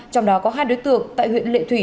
trong đó có hai đối tượng tại huyện lệ thủy